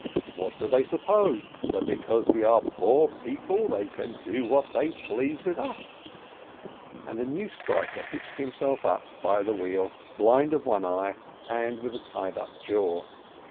"What do they suppose? That because we are poor people they can do what they please with us? " and a 88 SPEKTOR new striker hitched himself up by the wheel, blind of one eye, with a tied up jaw.